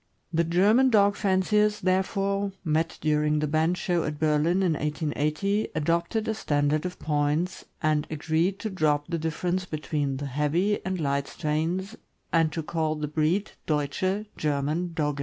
The German dog fanciers, therefore, met during the bench show at Berlin, in 1880, adopted a standard of points, and agreed to drop the dif ference between the heavy and light strains and to call the breed Deutsche (German) Dogge.